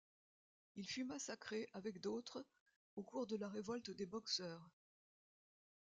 Il fut massacré, avec d'autres, au cours de la révolte des Boxers.